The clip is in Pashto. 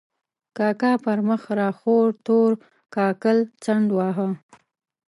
کاکا پر مخ را خور تور کاکل څنډ واهه.